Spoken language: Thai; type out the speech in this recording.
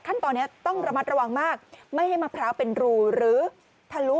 ขั้นตอนนี้ต้องระมัดระวังมากไม่ให้มะพร้าวเป็นรูหรือทะลุ